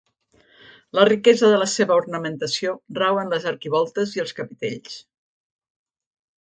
La riquesa de la seva ornamentació rau en les arquivoltes i els capitells.